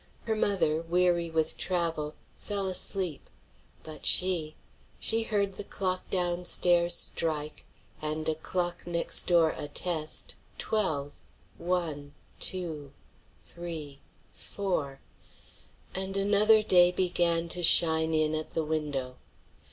Her mother, weary with travel, fell asleep; but she she heard the clock down stairs strike, and a clock next door attest, twelve one two three four, and another day began to shine in at the window.